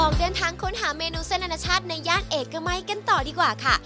ออกเดินทางค้นหาเมนูเส้นอนาชาติในย่านเอกมัยกันต่อดีกว่าค่ะ